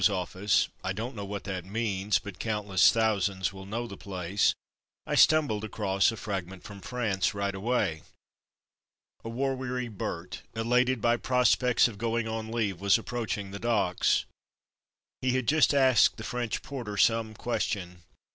's office (I don't know what that means, but countless thousands will know the place), I stumbled across a "Fragment from France'' right away. A war weary "Bert," elated by prospects of going on leave, w^as approaching the docks. He had just asked the French porter some question.